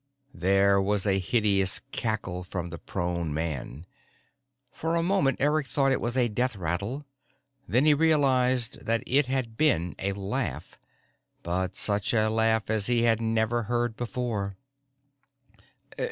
There was a hideous cackle from the prone man. For a moment, Eric thought it was a death rattle. Then he realized that it had been a laugh, but such a laugh as he had never heard before.